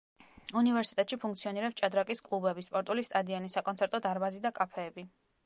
უნივერსიტეტში ფუნქციონირებს ჭადრაკის კლუბები, სპორტული სტადიონი, საკონცერტო დარბაზი და კაფეები.